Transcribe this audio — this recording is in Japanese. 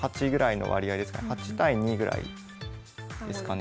８対２ぐらいですかね。